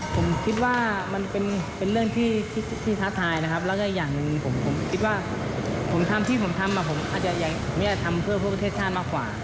ผมคิดว่ามันเป็นเรื่องที่ท้าทายนะครับแล้วก็อีกอย่างหนึ่งผมคิดว่าผมทำที่ผมทำผมอาจจะทำเพื่อพวกประเทศชาติมากกว่า